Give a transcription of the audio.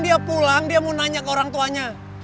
dia pulang dia mau nanya ke orang tuanya